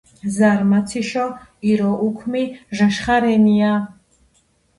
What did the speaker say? ზარმაციშო ირო უქმი ჟეშხა რენია